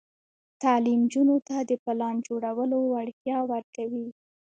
تعلیم نجونو ته د پلان جوړولو وړتیا ورکوي.